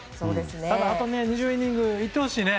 ただ、あと２０イニングいってほしいね。